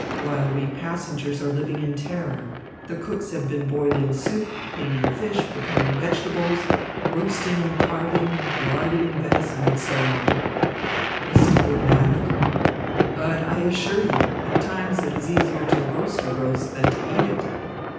While we passengers are living in terror, the cooks have been boiling soup, cleaning fish, preparing vegetables, roasting and carving, larding venison and so on." The steward laughed! "But I assure you, at times it is easier to roast a roast than to eat it."